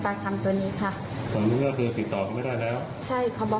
เขาบอกว่าทำไมพี่นึกถึงหนูไม่รู้